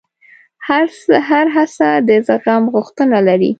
هره هڅه د زغم غوښتنه لري.